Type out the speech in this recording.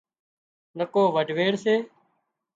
نڪو وڍويڙ سي